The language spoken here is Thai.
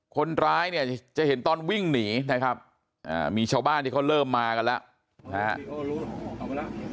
คนร้ายเนี่ยจะเห็นตอนวิ่งหนีนะครับมีชาวบ้านที่เขาเริ่มมากันแล้วนะครับ